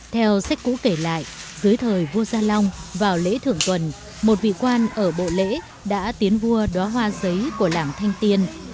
theo sách cũ kể lại dưới thời vua gia long vào lễ thưởng tuần một vị quan ở bộ lễ đã tiến vua đoa hoa giấy của làng thanh tiên